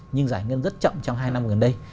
nhưng giải ngân rất chậm trong hai năm gần đây